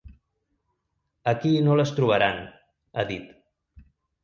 Aquí no les trobaran, ha dit.